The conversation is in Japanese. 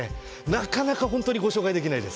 なかなかご紹介できないです。